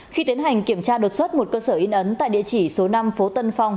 khi tiến hành kiểm tra đột xuất một cơ sở in ấn tại địa chỉ số năm phố tân phong